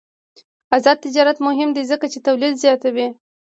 آزاد تجارت مهم دی ځکه چې تولید زیاتوي.